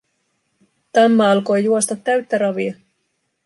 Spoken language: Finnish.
Tamma alkoi juosta täyttä ravia.